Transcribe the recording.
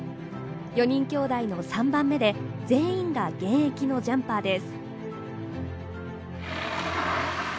４人きょうだいの３番目で全員が現役のジャンパーです。